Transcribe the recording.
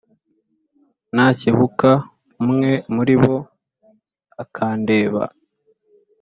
nakebuka umwe muri bo akandeba